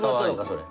それ。